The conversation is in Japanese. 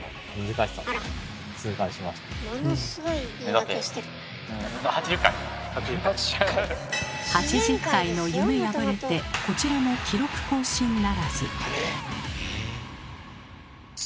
我々は８０回の夢破れてこちらも記録更新ならず。